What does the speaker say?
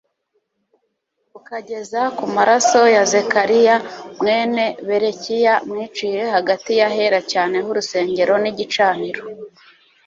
ukageza ku maraso ya Zekariya mwene Berekiya mwiciye hagati y'Ahera cyane h'urusengero n'igicaniro.